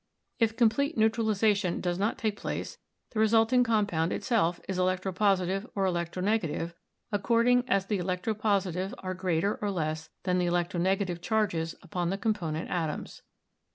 If complete neutralization does not take place the resulting compound itself is electro positive or electronegative according as the electropositive are greater or less than the electronegative charges upon the component atoms.